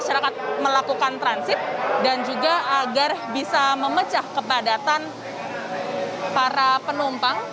masyarakat melakukan transit dan juga agar bisa memecah kepadatan para penumpang